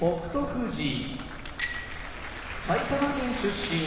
富士埼玉県出身